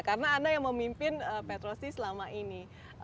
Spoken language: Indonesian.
karena anda yang memimpin petrosi selama ini